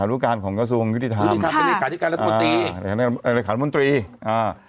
แกเป็นธุรการของกระทรวงยุติธรรมค่ะธุรการรัฐมนตรีธุรการรัฐมนตรีอ่า